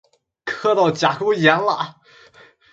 磕到甲沟炎了！